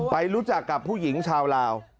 ไปรู้จักกับผู้หญิงชาวลาว